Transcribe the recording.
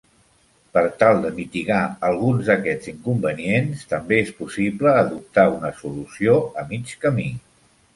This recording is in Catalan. Per tal de mitigar alguns d'aquests inconvenients, també és possible adoptar una solució a mig camí.